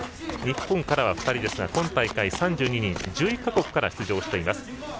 日本からは２人ですが今大会、３２人１１か国から出場しています。